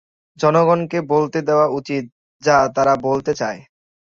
জনগণকে বলতে দেওয়া উচিত যা তারা বলতে চায়।